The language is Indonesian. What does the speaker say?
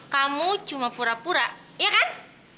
kamu cuma pura pura ya kan